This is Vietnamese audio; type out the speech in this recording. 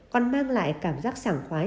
còn mang lại cảm giác sảng khoái